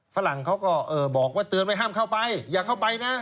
ฝรั่งเขาก็บอกว่าเตือนไว้ห้ามเข้าไปอย่าเข้าไปนะ